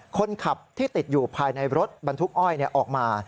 คนขับที่ติดอยู่ภายในรถบรรทุกอ้อยออกมา